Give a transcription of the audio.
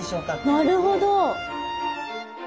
なるほど。